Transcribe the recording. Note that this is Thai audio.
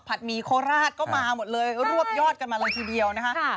หมี่โคราชก็มาหมดเลยรวบยอดกันมาเลยทีเดียวนะคะ